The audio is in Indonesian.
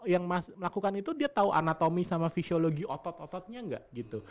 yang melakukan itu dia tahu anatomi sama fisiologi otot ototnya nggak gitu